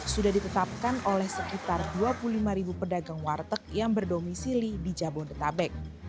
sudah ditetapkan oleh sekitar dua puluh lima ribu pedagang warteg yang berdomisili di jabodetabek